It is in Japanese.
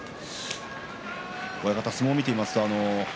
親方、相撲を見ていますと。